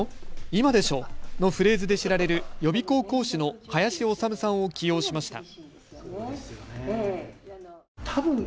今でしょ！のフレーズで知られる予備校講師の林修さんを起用しました。